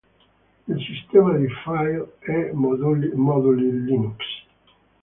Il sistema di file e moduli Linux.